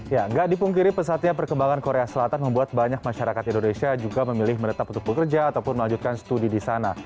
ya nggak dipungkiri pesatnya perkembangan korea selatan membuat banyak masyarakat indonesia juga memilih menetap untuk bekerja ataupun melanjutkan studi di sana